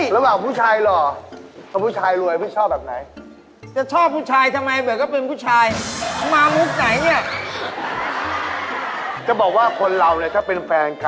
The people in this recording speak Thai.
ระหว่างผู้ชายหล่อผู้ชายรวยชอบผู้ชายแบบไหน